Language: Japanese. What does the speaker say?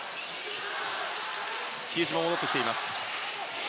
比江島も戻ってきています。